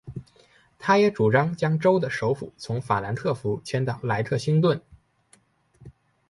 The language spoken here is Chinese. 他也主张将州的首府从法兰克福迁到莱克星顿。